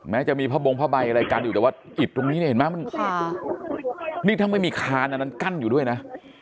แม้จะมีพระบงพระใบอะไรกันอยู่แต่ว่าอิดตรงนี้เห็นไหมนี่ทำไมมีคานอันนั้นกั้นอยู่ด้วยนะ